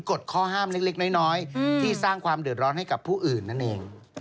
กฎข้อห้ามเล็กน้อยที่สร้างความเดือดร้อนให้กับผู้อื่นนั่นเอง